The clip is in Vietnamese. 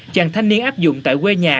chàng thanh niên áp dụng tại quê nhà